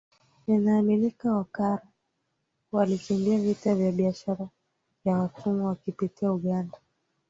Inaaminika Wakara walikimbia vita vya biashara ya watumwa wakipitia Uganda